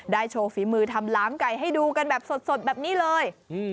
โชว์ฝีมือทำหลามไก่ให้ดูกันแบบสดแบบนี้เลย